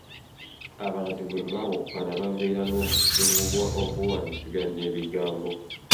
Abantu bwe baawukana babeera n’obusungu obw’okuwaanyisiganya ebigambo.